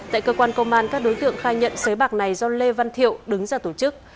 tại cơ quan công an các đối tượng khai nhận sới bạc này do lê văn thiệu